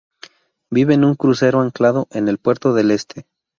Vive en un crucero anclado en el puerto del este.